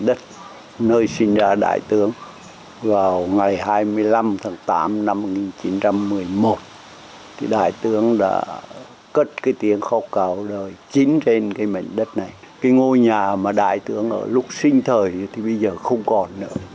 lúc sinh thời thì bây giờ không còn nữa